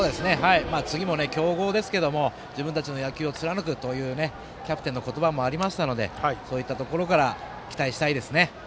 次も強豪ですけれども自分たちの野球を貫くというキャプテンの言葉もありましたのでそういったところから期待したいですね。